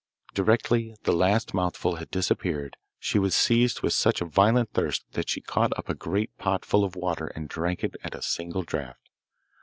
Directly the last mouthful had disappeared she was seized with such violent thirst that she caught up a great pot full of water and drank it at a single draught.